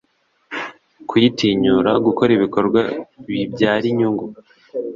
kuyitinyura gukora ibikorwa bibyara inyungu